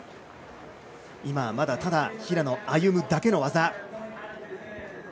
今はまだ、ただ平野歩夢だけの技。